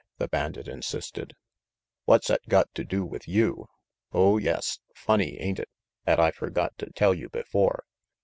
the bandit insisted. "What's 'at got to do with you? Oh, yes. Funny, ain't it, 'at I'd f ergot to tell you before?